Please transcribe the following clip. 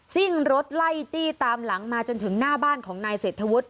ซิ่งรถไล่จี้ตามหลังมาจนถึงหน้าบ้านของนายเศรษฐวุฒิ